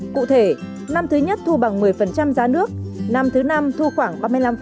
cụ thể năm thứ nhất thu bằng một mươi giá nước năm thứ năm thu khoảng ba mươi năm